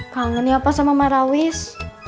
kangen ya apa sama marawis